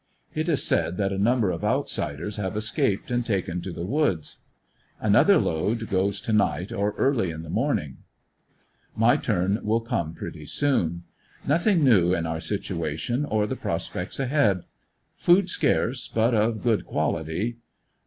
It is said that a number of outsiders have escaped and taken to the woods. Another load goes to night or early in the morning, M}^ turn will come pretty soon. Nothing new in our situation or the prospects ahead Food scarce, but of good quality.